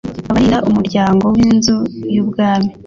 abarinda umuryango w inzu y umwami.